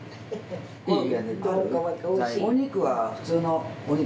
いい？